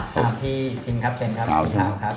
หาพี่ชินครับเชนครับพี่ชาวครับ